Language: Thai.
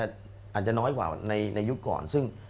อาจจะน้อยกว่าในยุคก่อนซึ่ง